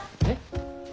えっ。